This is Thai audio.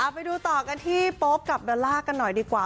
ไปดูต่อกันที่โป๊ปกับเบลล่ากันหน่อยดีกว่า